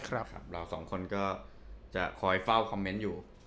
เราสองคนก็จะคอยเฝ้าคอมเมนต์อยู่